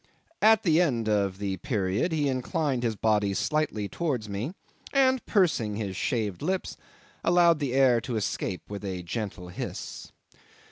At the end of the period he inclined his body slightly towards me, and, pursing his shaved lips, allowed the air to escape with a gentle hiss.